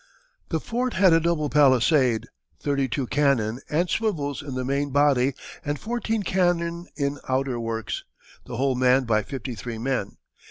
The fort had a double palisade, thirty two cannon and swivels in the main body, and fourteen cannon in outer works, the whole manned by fifty three men.